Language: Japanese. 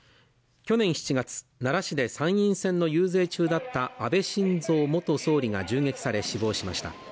去年７月、奈良市で参議院選の遊説中だった安倍晋三元総理が銃撃され死亡しました。